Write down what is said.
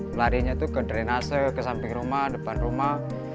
melarinya itu ke drenase ke samping rumah depan rumah